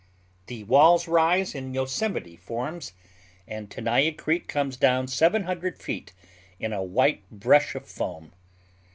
The walls rise in Yosemite forms, and Tenaya Creek comes down seven hundred feet in a white brush of foam.